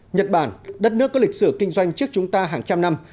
nhật bản đất nước có lịch sử kinh doanh trước chúng ta hàng trăm năm